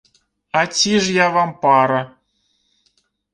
А ці ж я вам пара?